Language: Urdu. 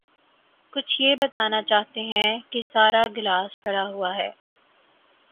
کچھ یہ بتانا چاہتے ہیں کہ سارا گلاس بھرا ہوا ہے۔